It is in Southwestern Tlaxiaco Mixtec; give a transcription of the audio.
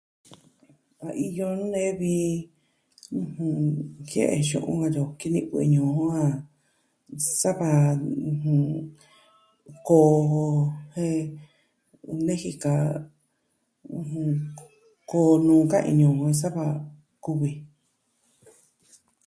A iyo nee vi, ke'en xu'un katyi o, kini'vɨ ñuu o, sava koo jo jen nejika koo nuu ka ini o nuu sava kuvi.